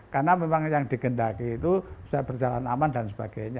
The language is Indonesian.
karena memang yang digendaki itu sudah berjalan aman dan sebagainya